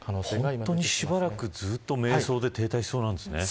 本当にしばらくずっと迷走で停滞しそうなんですね。